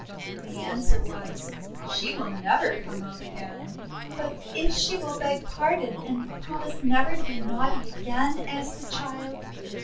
The answer was, :<She will never come up again." 4 But if she will beg pardon, and promise never to be naughty again?" asked the child.